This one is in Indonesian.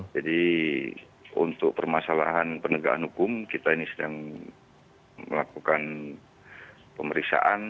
jadi untuk permasalahan penegakan hukum kita ini sedang melakukan pemeriksaan